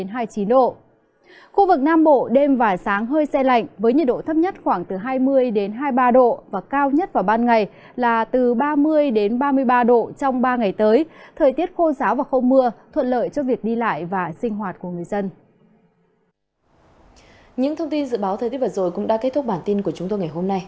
những thông tin dự báo thời tiết vật rồi cũng đã kết thúc bản tin của chúng tôi ngày hôm nay